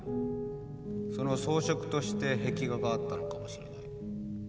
その装飾として壁画があったのかもしれない。